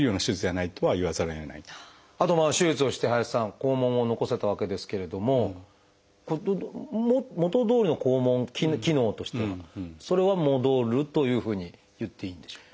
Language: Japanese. あと手術をして林さん肛門を残せたわけですけれども元どおりの肛門機能としてはそれは戻るというふうに言っていいんでしょうか？